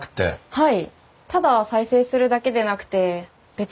はい。